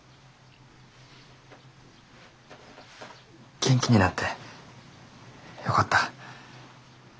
元気になってよかった。